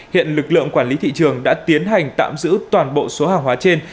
hiện lực lượng quản lý thị trường đã tiến hành tạm giữ toàn bộ số hàng hóa trên